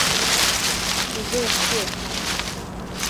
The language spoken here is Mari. — Кузе шке?!